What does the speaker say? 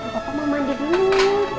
papa mau mandi dulu